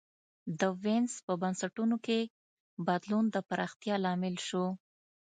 د وینز په بنسټونو کي بدلون د پراختیا لامل سو.